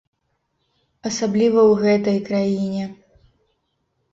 Асабліва ў гэтай краіне!